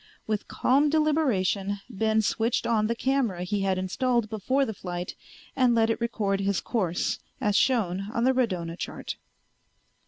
With calm deliberation Ben switched on the camera he had installed before the flight and let it record his course as shown on the radona chart.